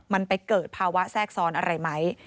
มันไปเกิดภาวะแทรกซ้อนอะไรไหม